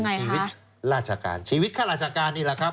ชีวิตราชการชีวิตข้าราชการนี่แหละครับ